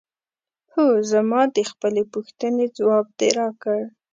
هو زما د خپلې پوښتنې ځواب دې راکړ؟